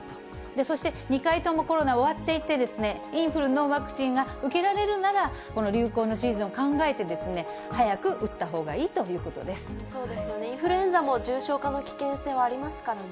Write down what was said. そして２回ともコロナ終わっていて、インフルのワクチンが受けられるなら、この流行のシーズンを考えて、早く打ったほうがいいということそうですよね、インフルエンザも重症化の危険性はありますからね。